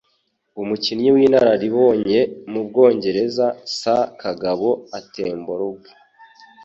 umukinnyi w'inararibonye mu Bwongereza, Sir Kagabo Attenborough